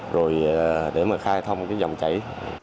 rồi để mà khai thông cái dòng chảy